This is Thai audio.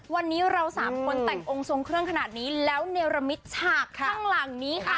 วันนี้เราสามคนแต่งองค์ทรงเครื่องขนาดนี้แล้วเนรมิตฉากข้างหลังนี้ค่ะ